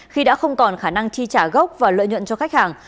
khi đã không còn khả năng chi trả gốc và lợi nhuận cho khách hàng